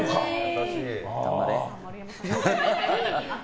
頑張れ。